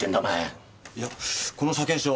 いやこの車検証。